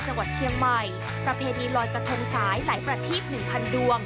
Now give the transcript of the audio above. จังหวัดเชียงใหม่ประเพณีลอยกระทงสายหลายประทีบ๑๐๐ดวง